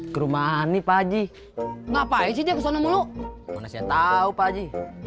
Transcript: kerumahan nih pak haji ngapain sih kesana mulu mau setau pak haji